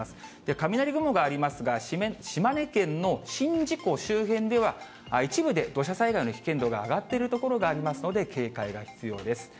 雷雲がありますが、島根県の宍道湖周辺では、一部で土砂災害の危険度が上がっている所がありますので、警戒が必要です。